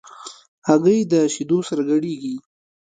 هګۍ د شیدو سره ګډېږي.